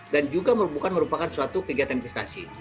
dan juga merupakan suatu kegiatan investasi